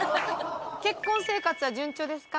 結婚生活は順調ですか？